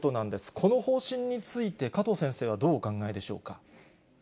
この方針について、加藤先生はどうお考えでしょうか。